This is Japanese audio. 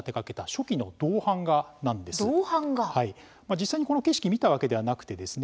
実際にこの景色見たわけではなくてですね